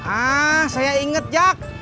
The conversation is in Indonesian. ah saya inget jak